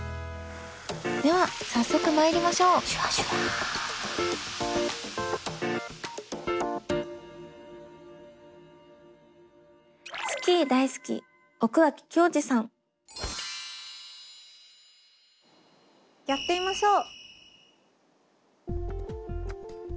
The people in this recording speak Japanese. では早速まいりましょうやってみましょう。